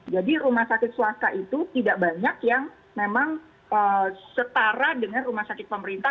jadi rumah sakit swasta itu tidak banyak yang memang setara dengan rumah sakit pemerintah